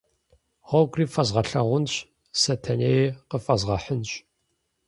Гъуэгури фэзгъэлъагъунщ, Сэтэнеи къывэзгъэхьынщ.